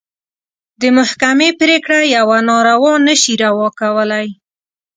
د محکمې پرېکړه يوه ناروا نه شي روا کولی.